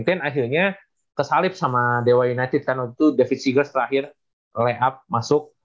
dan akhirnya kesalip sama dow united karena itu david seagrass terakhir layup masuk